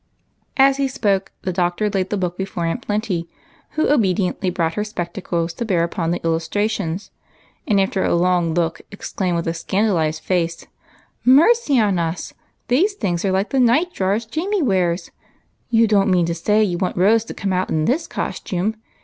As he spoke, the Doctor laid the book before Aunt Plenty, who obediently brought her spectacles to bear upon the illustrations, and after a long look exclaimed with a scandalized face, — "Mercy on us, these things are like the night drawers Jamie wears ! You don't mean to say you want Rose to come out in this costume